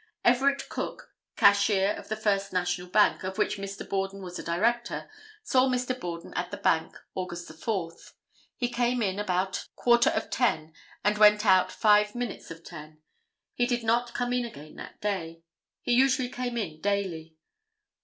Everett Cook, cashier of the First National Bank, of which Mr. Borden was a director, saw Mr. Borden at the bank Aug. 4. He came in about quarter of 10 and went out five minutes of 10. He did not come in again that day. He usually came in daily.